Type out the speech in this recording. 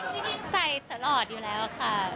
พี่นินใส่ตลอดอยู่แล้วค่ะ